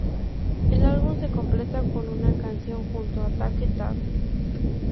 El álbum se completa con una canción junto a Take That.